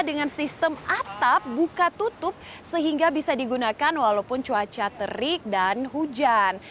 dengan sistem atap buka tutup sehingga bisa digunakan walaupun cuaca terik dan hujan